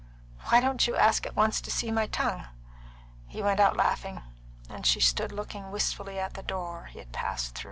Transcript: Why don't you ask at once to see my tongue?" He went out laughing, and she stood looking wistfully at the door he had passed through.